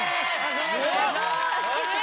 すごい。